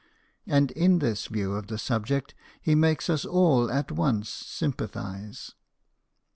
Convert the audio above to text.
And in this view of the subject he makes us all at once sympathize.